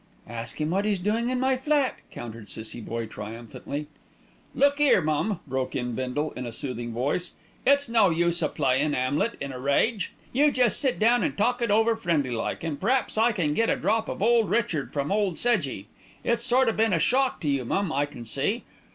"Ask him what he's doing in my flat," countered Cissie Boye triumphantly. "Look 'ere, mum," broke in Bindle in a soothing voice, "it's no use a playin' 'Amlet in a rage. You jest sit down and talk it over friendly like, an' p'raps I can get a drop of Royal Richard from old Sedgy. It's sort of been a shock to you, mum, I can see.